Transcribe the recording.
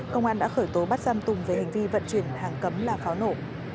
công an đã khởi tố bắt giam tùng về hành vi vận chuyển hàng cấm là pháo nổ